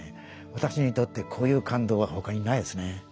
私にとってこういう感動は他にないですね。